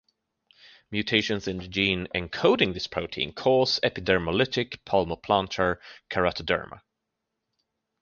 Mutations in the gene encoding this protein cause epidermolytic palmoplantar keratoderma.